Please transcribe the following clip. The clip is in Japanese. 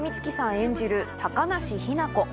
演じる高梨雛子